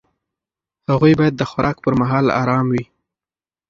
هغوی باید د خوراک پر مهال ارام وي.